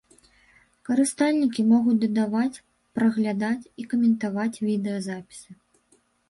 Карыстальнікі могуць дадаваць, праглядаць і каментаваць відэазапісы.